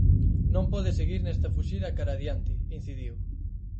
"Non pode seguir nesta fuxida cara adiante", incidiu.